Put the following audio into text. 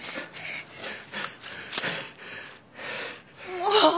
もう！